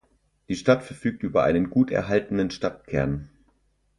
Die Stadt verfügt über einen gut erhaltenen Stadtkern.